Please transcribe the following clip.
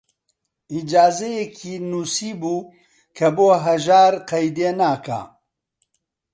ئیجازەیەکی نووسیبوو کە بۆ هەژار قەیدێ ناکا